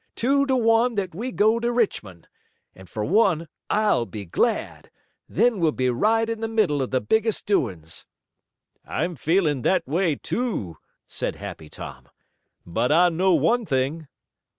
Two to one that we go to Richmond. And for one I'll be glad. Then we'll be right in the middle of the biggest doings!" "I'm feeling that way, too," said Happy Tom. "But I know one thing."